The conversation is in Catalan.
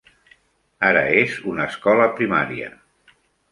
Ara és una escola primaria.